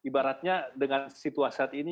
karena dengan situasi saat ini